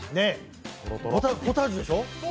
ポタージュでしょ。